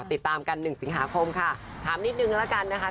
ติดตามกัน๑สิงหาคมค่ะถามนิดนึงแล้วกันนะคะ